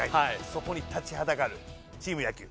そこに立ちはだかるチーム野球。